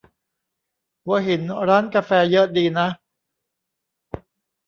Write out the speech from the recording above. หัวหินร้านกาแฟเยอะดีนะ